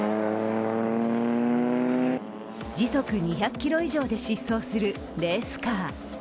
時速２００キロ以上で疾走するレースカー。